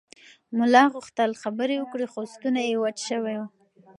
ملا غوښتل خبرې وکړي خو ستونی یې وچ شوی و.